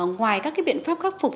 ngoài các cái biện pháp khắc phục